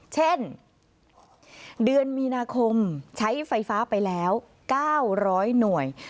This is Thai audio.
เช่นเดือนมีนาคมใช้ไฟฟ้าไปแล้ว๙๐๐หน่วย